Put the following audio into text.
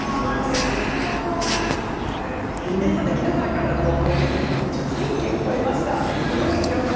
皆さんからメッセージ１０００件を超えました。